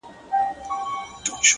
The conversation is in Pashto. په سونډو کي چي ولگېدی زوز په سجده کي”